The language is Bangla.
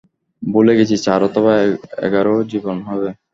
ভুলে গেছি, চার অথবা এগারো জীবন হবে।